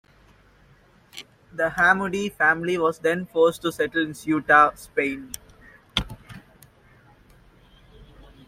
The Hammudi family was then forced to settle in Ceuta, Spain.